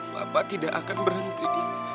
papa tidak akan berhenti